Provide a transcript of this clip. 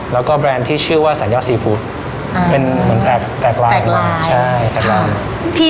แล้วก็แบรนด์ที่ชื่อว่าแสนยอดซีฟู้ดเป็นแปลกลายมาก